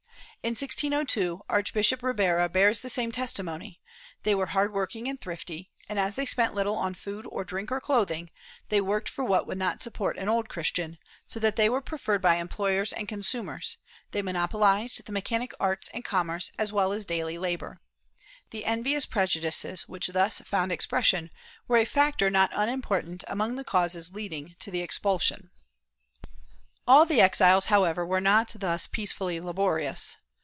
^ In 1602, Archbishop Ribera bears the same testimony; they were hard working and thrifty, and as they spent little on food or drink or clothing, they worked for what would not support an Old Christian, so that they were preferred by employers and consumers; they monopolized the mechanic arts and commerce, as well as daily labor, ^ The envious prejudices which thus found expres sion were a factor not unimportant among the causes leading to the expulsion. All the exiles however were not thus peacefully laborious.